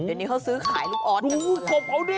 เดี๋ยวนี้เขาซื้อขายลูกออสบเขาดิ